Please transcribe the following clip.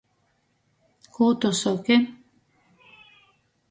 Kū tu soki?!